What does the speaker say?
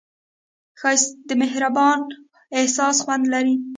ښایست د مهربان احساس خوند لري